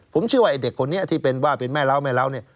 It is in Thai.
ผมเชื่อว่าไอ้เด็กคนนี้ที่เป็นแม่เลาะนี่